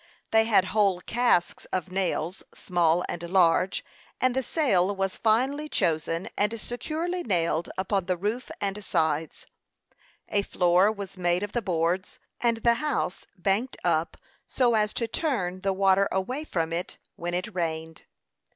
They had whole casks of nails, small and large, and the sail was finally chosen, and securely nailed upon the roof and sides. A floor was made of the boards, and the house banked up so as to turn the water away from it when it rained.